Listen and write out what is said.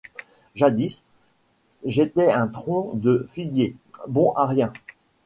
Jadis, j'étais un tronc de figuier, bon à rien.